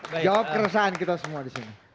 jawab keresahan kita semua disini